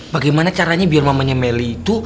bagaimana caranya biar mamanya melly itu